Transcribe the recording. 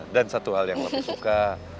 dan satu hal yang lebih suka